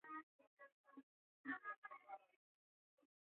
Alisoma katika chuo kikuu cha Hamathmiss Hospital London Uingereza